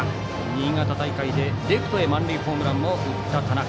新潟大会でレフトへ満塁ホームランを打った田中。